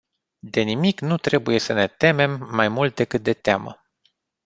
De nimic nu trebuie să ne temem mai mult decât de teamă.